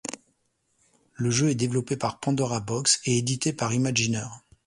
Le jeu est développé par Pandora Box et édité par Imagineer.